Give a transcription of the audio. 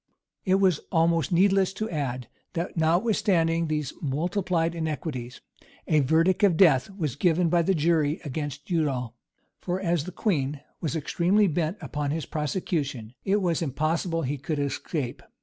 It is almost needless to add, that notwithstanding these multiplied iniquities, a verdict of death was given by the jury against Udal; for, as the queen was extremely bent upon his prosecution, it was impossible he could escape.